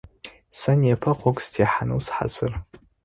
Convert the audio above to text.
Сэ непэ гъогу сытехьанэу сыхьазыр.